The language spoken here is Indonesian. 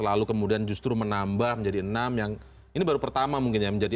lalu kemudian justru menambah menjadi enam yang ini baru pertama mungkin ya